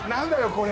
⁉これ！」